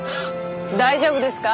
大丈夫ですか？